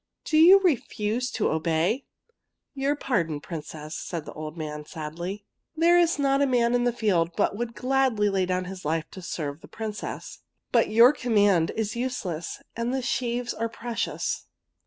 Do you refuse to obey? "'' Your pardon, Princess," said the old man, sadly. *^ There is not a man in the field but would gladly lay down his life to serve the Princess. But your command is useless, and the sheaves are precious."